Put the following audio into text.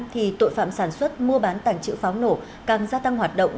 thì tội phạm sản xuất mua bán tàng trữ pháo nổ càng gia tăng hoạt động